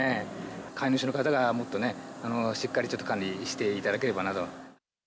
飼い主の方がもっとしっかりちょっと管理していただければなと。